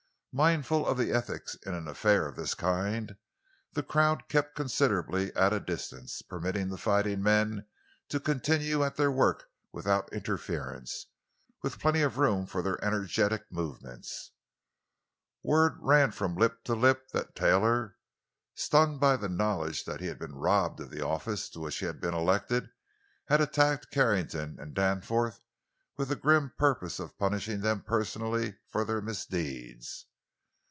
Mindful of the ethics in an affair of this kind, the crowd kept considerately at a distance, permitting the fighting men to continue at their work without interference, with plenty of room for their energetic movements. Word ran from lip to lip that Taylor, stung by the knowledge that he had been robbed of the office to which he had been elected, had attacked Carrington and Danforth with the grim purpose of punishing them personally for their misdeeds.